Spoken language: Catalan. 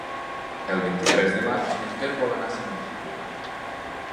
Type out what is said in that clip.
El vint-i-tres de maig en Quer vol anar a Sant Isidre.